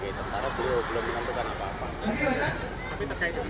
itu itu itu